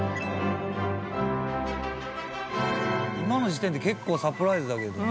今の時点で結構サプライズだけどね。